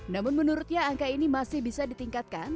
namun menurutnya angka ini masih bisa ditingkatkan